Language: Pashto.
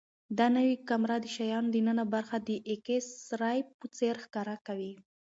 دا نوې کامره د شیانو دننه برخه د ایکس ری په څېر ښکاره کوي.